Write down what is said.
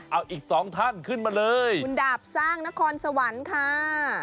เอาอีกสองท่านขึ้นมาเลยคุณดาบสร้างนครสวรรค์ค่ะ